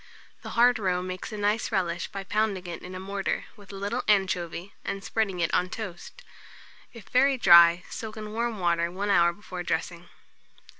The hard roe makes a nice relish by pounding it in a mortar, with a little anchovy, and spreading it on toast. If very dry, soak in warm water 1 hour before dressing.